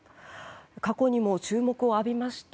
過去にも注目を浴びました